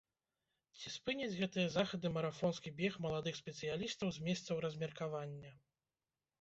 Ці спыняць гэтыя захады марафонскі бег маладых спецыялістаў з месцаў размеркавання?